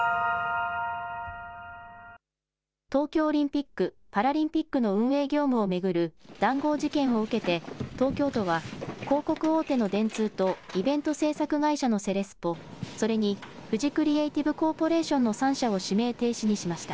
東京オリンピック・パラリンピックの運営業務を巡る談合事件を受けて東京都は広告大手の電通とイベント制作会社のセレスポ、それにフジクリエイティブコーポレーションの３社を指名停止にしました。